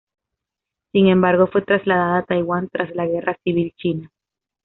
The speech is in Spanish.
Sin embargo, fue traslada a Taiwan tras la Guerra civil china.